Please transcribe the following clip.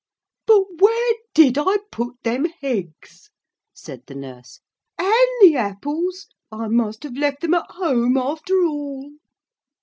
'But where did I put them _h_eggs?' said the nurse, 'and the apples I must have left them at home after all.'